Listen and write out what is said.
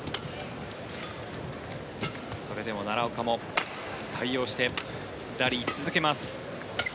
それでも奈良岡も対応してラリーを続けます。